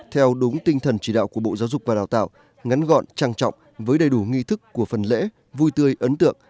theo đúng tinh thần chỉ đạo của bộ giáo dục và đào tạo ngắn gọn trang trọng với đầy đủ nghi thức của phần lễ vui tươi ấn tượng